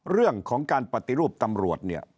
เรื่องของการปฏิรูปตำรวจเนี่ย